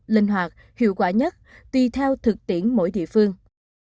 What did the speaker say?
linh hoạt hiệu quả nhất tùy theo thực tiễn mỗi địa phương